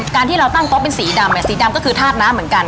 การที่เราตั้งตัวเป็นสีดำสีดำก็คือทาสน้ำเหมือนกัน